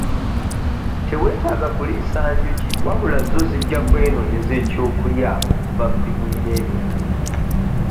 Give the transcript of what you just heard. Teweetaaga kuliisa njuki wabula zo zijja kwenoonyeza ekyokulya okuva mu bimuli n'ebirala.